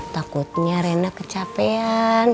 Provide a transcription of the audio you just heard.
takutnya rena kecapean